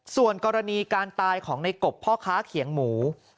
ส่วนกรณีการตายของในกบพ่อค้าเขียงหมู